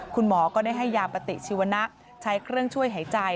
คุณหมอก็ได้ให้ยาปฏิชีวนะใช้เครื่องช่วยหายใจ